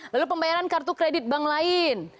lalu pembayaran kartu kredit bank lain